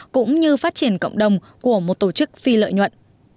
cũng như phát triển cộng đồng của một tổ chức phi lợi nhuận